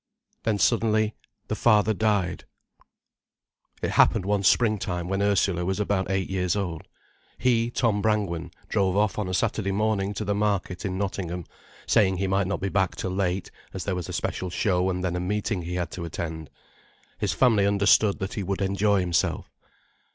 Then suddenly the father died. It happened one springtime when Ursula was about eight years old, he, Tom Brangwen, drove off on a Saturday morning to the market in Nottingham, saying he might not be back till late, as there was a special show and then a meeting he had to attend. His family understood that he would enjoy himself.